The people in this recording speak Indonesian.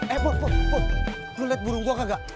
eh bud bud bud lu liat burung gua kagak